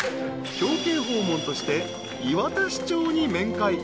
［表敬訪問として磐田市長に面会］